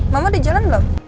mama udah jalan belum